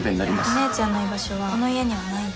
お姉ちゃんの居場所はこの家にはないの。